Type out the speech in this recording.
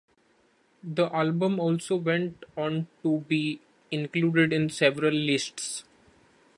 The album also went on to be included in several lists.